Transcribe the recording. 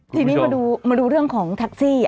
ทีนี้มาดูเรื่องของแท็กซี่